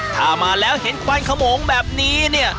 ถ้ามาแล้วเห็นควันขมงแบบนี้